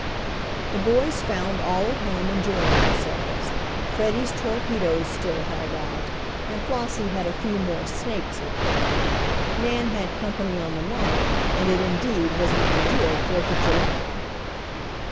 The boys found all at home enjoying themselves. Freddie's torpedoes still held out, and Flossie had a few more "snakes" left. Nan had company on the lawn, and it indeed was an ideal Fourth of July.